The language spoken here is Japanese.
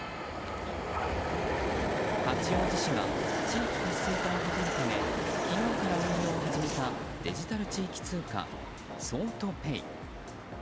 八王子市が地域活性化を図るため昨日から運用を始めたデジタル地域通貨、桑都ペイ。